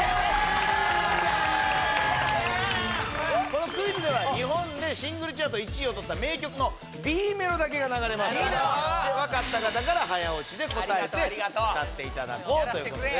このクイズでは日本でシングルチャート１位を取った名曲のＢメロだけが流れます分かった方から早押しで答えて歌っていただこうということです